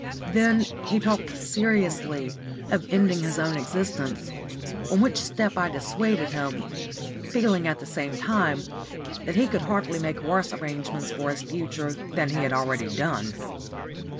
Then he talked seriously of ending his own existence, from which step I dissuaded him, feeling at the same time, that he could hardly make worse arrangements for his future than he had already done.